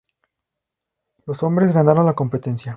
Los Hombres ganaron la competencia.